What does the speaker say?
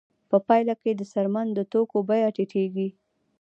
په پایله کې د څرمن د توکو بیه ټیټېږي